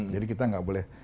jadi kita nggak boleh